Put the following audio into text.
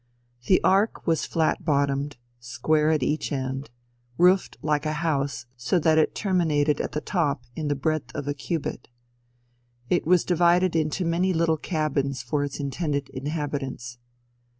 "The Ark was flat bottomed square at each end roofed like a house so that it terminated at the top in the breadth of a cubit. It was divided into many little cabins for its intended inhabitants.